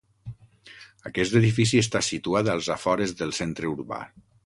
Aquest edifici està situat als afores del centre urbà.